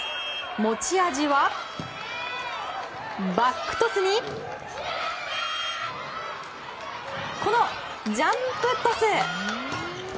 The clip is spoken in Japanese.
持ち味は、バックトスにこのジャンプトス。